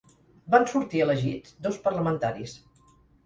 Van sortir elegits dos parlamentaris.